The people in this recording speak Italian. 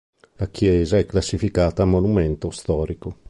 La chiesa è classificata monumento storico.